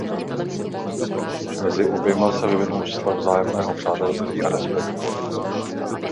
Mezi oběma se vyvinul vztah vzájemného přátelství a respektu.